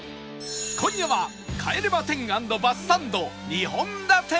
今夜は帰れま １０＆ バスサンド２本立て！